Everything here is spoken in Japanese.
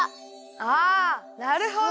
あなるほど！